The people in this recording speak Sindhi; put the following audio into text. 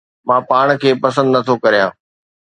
مان پاڻ کي پسند نٿو ڪريان